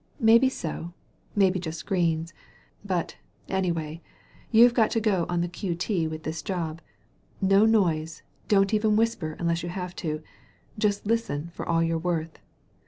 Maybe so — maybe just greens — but, anyway, you've got to go on the Q. T. with this job — ^no noise, don't even whisper unless you have to; just listen for all you're worth.